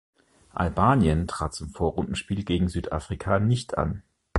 Albanien trat zum Vorrundenspiel gegen Südafrika nicht an.